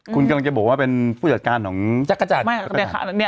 คุณกำลังจะบอกว่าเป็นผู้จัดการของจักรจันทร์